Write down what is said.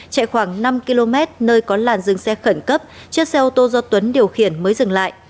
chạy khoảng năm km nơi có làn dừng xe khẩn cấp chiếc xe ô tô do tuấn điều khiển mới dừng lại